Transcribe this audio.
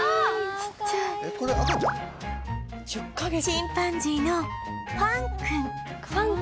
チンパンジーのファン君